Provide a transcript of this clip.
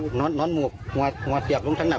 พ่ออยู่หรือเปล่า